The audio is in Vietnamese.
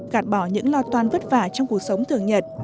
gạt bỏ những lo toan vất vả trong cuộc sống thường nhật